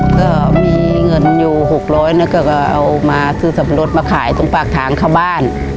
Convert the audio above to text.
ก็มีเงินอยู่๖๐๐แล้วก็เอามาซื้อสับปะรดมาขายตรงปากทางเข้าบ้าน